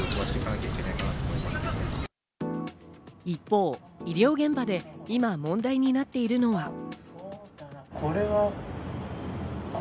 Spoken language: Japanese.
一方、医療現場で今、問題になっているのは。